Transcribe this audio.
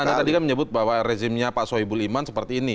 karena anda tadi kan menyebut bahwa rezimnya pak sohibul iman seperti ini